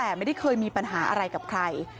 แต่ไม่ได้เคยมีปัญหาอะไรกับใคร